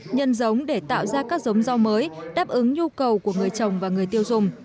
nhân giống để tạo ra các giống rau mới đáp ứng nhu cầu của người chồng và người tiêu dùng